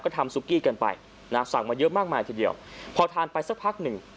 ก็ทำซุกี้กันไปนะสั่งมาเยอะมากมายทีเดียวพอทานไปสักพักหนึ่ง